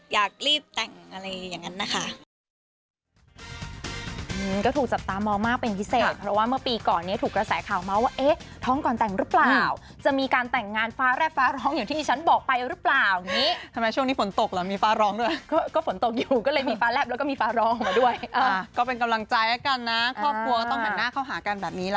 อยากรีบแต่งอะไรอย่างนั้นนะคะ